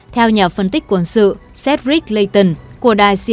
theo nhà phân tích quân sự cedric layton của đài cnn